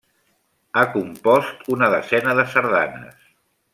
Ha compost una desena de sardanes.